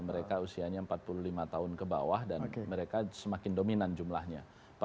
mereka usianya empat puluh lima tahun ke bawah dan mereka semakin dominan jumlahnya